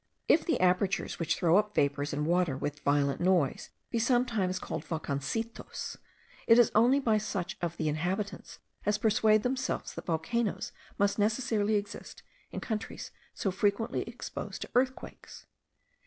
If the apertures, which throw up vapours and water with violent noise, be sometimes called volcancitos, it is only by such of the inhabitants as persuade themselves that volcanoes must necessarily exist in countries so frequently exposed to earthquakes.